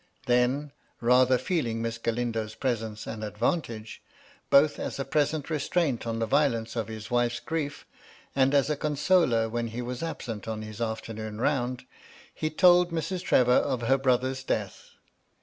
Then (rather feeling Miss Galindo's presence an advantage, both as a present restraint on the violence of his wife's grief, and as a consoler when he was absent on his afternoon round), he told Mrs. Trevor of her ^brother's death.